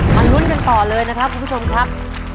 ลุ้นกันต่อเลยนะครับคุณผู้ชมครับ